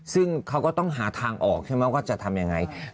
ซึ่งเขาก็ต้องหาทางออกใช่ไหมว่าจะทำยังไง